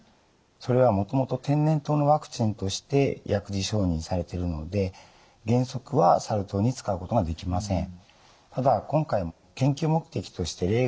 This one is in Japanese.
それはもともと天然痘のワクチンとして薬事承認されているので原則はサル痘に使うことができません。